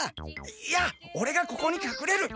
いやオレがここにかくれる！